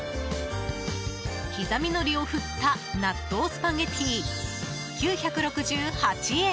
刻みのりを振った納豆スパゲティ９６８円。